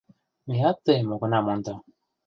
— Меат тыйым огына мондо.